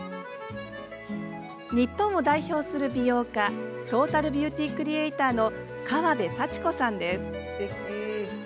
日本を代表する美容家トータルビューティークリエイターの川邉サチコさんです。